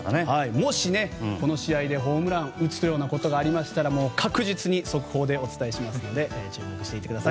もしこの試合でホームランを打つようなことがありましたら確実に速報でお伝えしますので注目してください。